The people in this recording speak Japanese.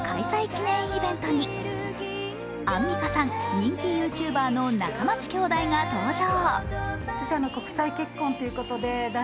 記念イベントにアンミカさん、人気ＹｏｕＴｕｂｅｒの中町兄妹が登場。